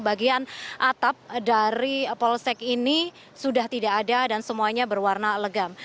bagian atap dari polsek ini sudah tidak ada dan semuanya berwarna legam